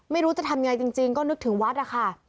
ไม่รู้จะทำยังไงจริงก็นึกถึงวัดนะคะ